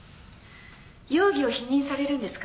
容疑を否認されるんですか？